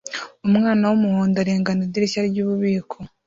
Umwana wumuhondo arengana idirishya ryububiko